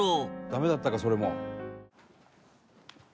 「ダメだったかそれも」